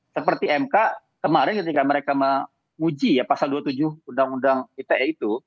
seperti mk kemarin ketika mereka menguji ya pasal dua puluh tujuh undang undang ite itu